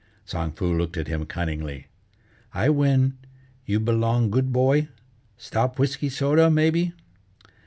Tsang Foo looked at him cunningly: "I win, you belong good boy? Stop whisky soda, maybe?"